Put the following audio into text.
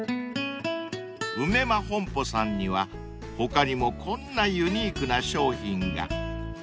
［梅マ本舗さんには他にもこんなユニークな商品が］